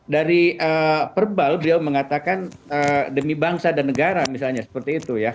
dari perbal beliau mengatakan demi bangsa dan negara misalnya seperti itu ya